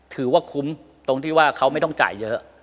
ถือว่าคุ้มตรงที่ว่าเขาไม่ต้องจ่ายเยอะ